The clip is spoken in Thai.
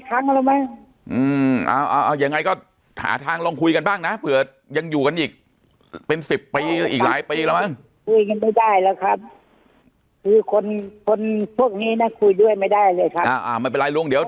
ทางอบตตำอะไรผมไปบอกหมดแล้วว่าเชื่อพิธีแจงให้ผมหน่อย